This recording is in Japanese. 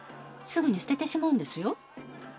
すぐに捨ててしまうんですよ。